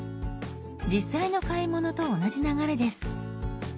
実際の買い物と同じ流れです。